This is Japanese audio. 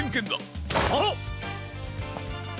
はっ！